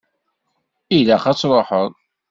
Ilaq ad truḥeḍ.